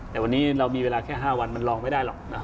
แต่วันนี้เรามีเวลาแค่๕วันมันลองไม่ได้หรอก